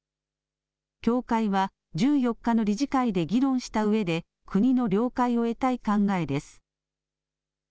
協会は１４日の理事会で議論したうえで国の了解を得たい考えです。